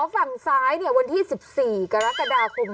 ฝั่งซ้ายวันที่๑๔กรกฎาคม